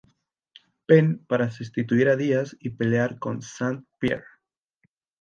Penn para sustituir a Díaz y pelear con St-Pierre.